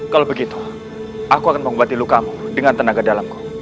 kalau begitu aku akan mengobati lukamu dengan tenaga dalamku